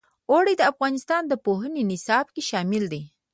اوړي د افغانستان د پوهنې نصاب کې شامل دي.